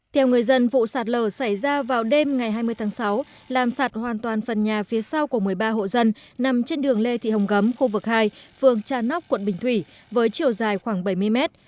theo người dân vụ sạt lở xảy ra vào đêm ngày hai mươi tháng sáu làm sạt hoàn toàn phần nhà phía sau của một mươi ba hộ dân nằm trên đường lê thị hồng gấm khu vực hai phường trà nóc quận bình thủy với chiều dài khoảng bảy mươi mét